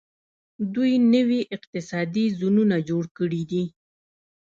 دوی نوي اقتصادي زونونه جوړ کړي دي.